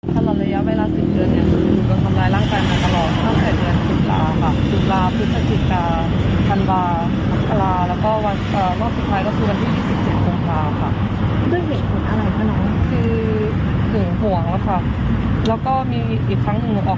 ประตูบ้านเขาก็เบี่ยงหมุนลงใส่เสียงอีก